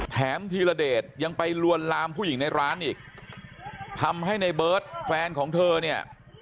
ธีรเดชยังไปลวนลามผู้หญิงในร้านอีกทำให้ในเบิร์ตแฟนของเธอเนี่ย